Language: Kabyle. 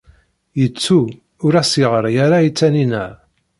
Yettu ur as-yeɣri ara i Taninna.